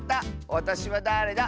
「わたしはだれだ？」